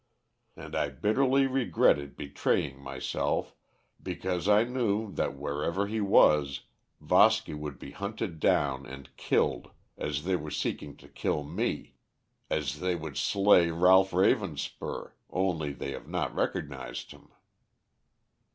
And I bitterly regretted betraying myself, because I knew that, wherever he was, Voski would be hunted down and killed, as they were seeking to kill me, as they would slay Ralph Ravenspur, only they have not recognized him."